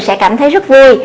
sẽ cảm thấy rất vui